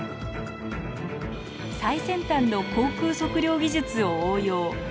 最先端の航空測量技術を応用。